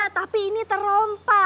tapi ini terompa